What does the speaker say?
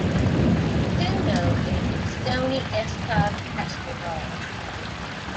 "Cuno" is a stony S-type asteroid.